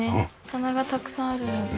棚がたくさんあるので。